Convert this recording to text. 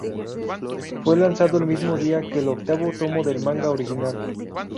Fue lanzado el mismo día que el octavo tomo del manga original.